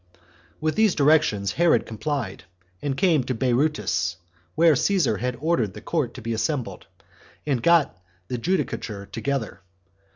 2. With these directions Herod complied, and came to Berytus, where Caesar had ordered the court to be assembled, and got the judicature together.